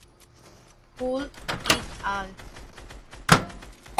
Hull et al.